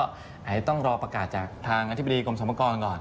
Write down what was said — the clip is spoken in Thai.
อาจจะต้องรอประกาศจากทางอธิบดีกรมสมัครก่อนก่อน